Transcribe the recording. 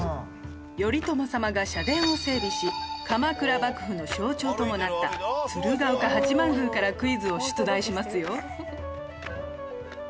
頼朝様が社殿を整備し鎌倉幕府の象徴ともなった鶴岡八幡宮からクイズを出題しますよ。